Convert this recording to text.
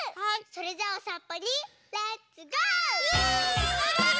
それじゃあおさんぽにレッツゴー！